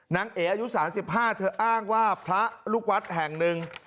เอ๋อายุ๓๕เธออ้างว่าพระลูกวัดแห่งหนึ่ง